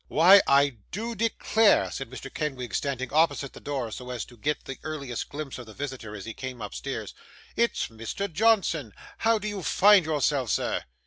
'Why, I do declare,' said Mr. Kenwigs, standing opposite the door so as to get the earliest glimpse of the visitor, as he came upstairs, 'it's Mr. Johnson! How do you find yourself, sir?